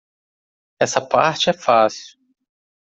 Essa parte é fácil.